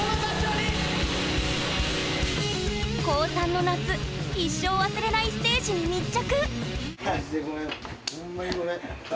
高３の夏一生忘れないステージに密着！